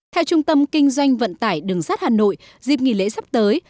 theo trung tâm kinh doanh vận tải đường sắt hà nội dịp nghỉ lễ sắp tới